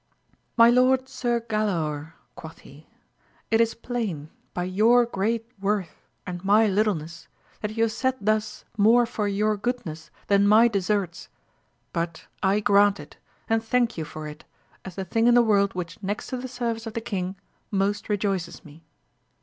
My lord Sir Galaor, quoth he, it is plain by your great worth and my littleness, that you have said thus more for your goodness than my deserts ; but I grant it, and thank you for it, as the thing in the world which next to the service of the king most rejoices me.